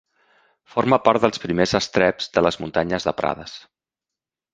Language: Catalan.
Forma part dels primers estreps de les Muntanyes de Prades.